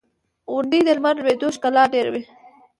• غونډۍ د لمر لوېدو ښکلا ډېروي.